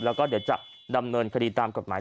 แล้วก็เดี๋ยวจะดำเนินคดีตามกฎหมาย